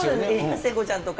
聖子ちゃんとか。